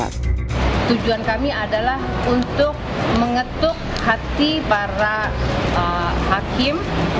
tujuan kami adalah untuk mengetuk hati para hakim